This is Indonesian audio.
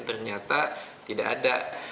ternyata tidak ada